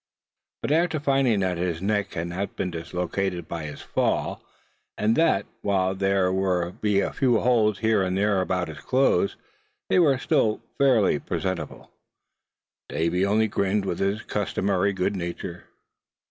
But after finding that his neck had not been dislocated by his fall; and that, while there would be a few holes here and there about his clothes, they were still fairly presentable, Davy only grinned with his customary good nature.